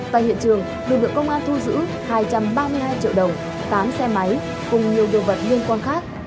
tại hiện trường được được công an thu giữ hai trăm ba mươi hai triệu đồng tám xe máy cùng nhiều điều vật liên quan khác